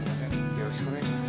よろしくお願いします。